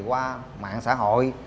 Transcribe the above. qua mạng xã hội